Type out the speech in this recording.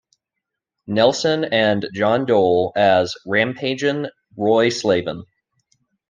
Nelson" and John Doyle as "'Rampaging' Roy Slaven".